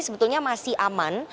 sebetulnya masih aman